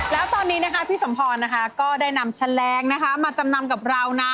แล้วตอนนี้พี่สมพรก็ได้นำแชลงมาจำนำกับเรานะ